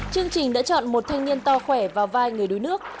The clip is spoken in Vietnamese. chương trình đã chọn một thanh niên to khỏe vào vai người đuối nước